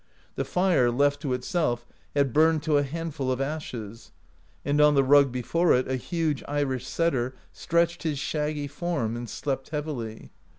The fire, left to itself, had burned to a hand ful of ashes, and on the rug before it a huge Irish setter stretched his shaggy form and slept heavily.